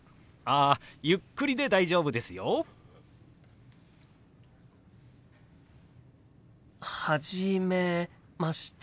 あゆっくりで大丈夫ですよ。初めまして。